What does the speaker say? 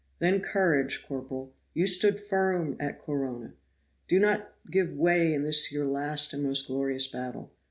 Then courage, corporal; you stood firm at Corunna do not give way in this your last and most glorious battle.